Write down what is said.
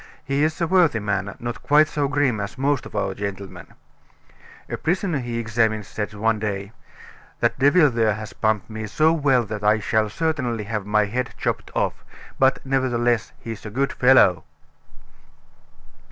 He is a worthy man, not quite so grim as most of our gentlemen. A prisoner he had examined said one day: 'That devil there has pumped me so well that I shall certainly have my head chopped off; but, nevertheless, he's a good fellow!"